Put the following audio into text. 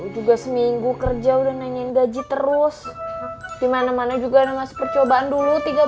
juga seminggu kerja udah nanyain gaji terus dimana mana juga namanya percobaan dulu tiga